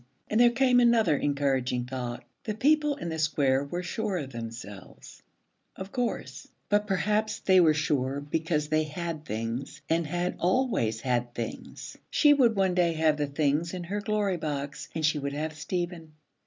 And there came another encouraging thought. The people in the Square were sure of themselves of course, but perhaps they were sure because they had things and had always had things. She would one day have the things in her Glory Box, and she would have Stephen.